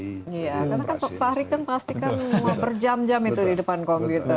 iya karena kan fahri kan pasti kan berjam jam itu di depan komputer